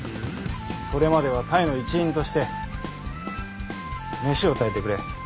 それまでは隊の一員として飯を炊いてくれ。